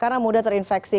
karena mudah terinfeksi